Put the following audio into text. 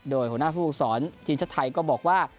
โดยหัวหน้าผู้สอนทีมชาติไทยก็บอกว่า